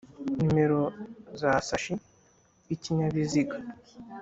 nimero za sashi y’ikinyabiziga